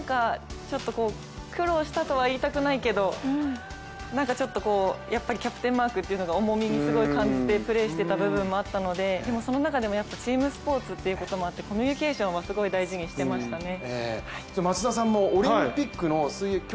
私もキャプテンをやったときは本当に苦労したとは言いたくないけど、なんかちょっとキャプテンマークっていうのが重みに感じてプレーをしていた部分もあったので、でもその中でチームスポーツということもあってコミュニケーションはすごい大事にしてましたね。